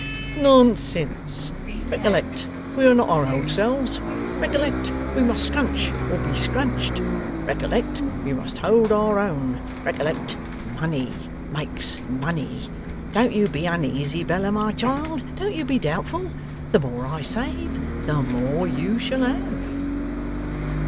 'Nonsense! Recollect we are not our old selves. Recollect, we must scrunch or be scrunched. Recollect, we must hold our own. Recollect, money makes money. Don't you be uneasy, Bella, my child; don't you be doubtful. The more I save, the more you shall have.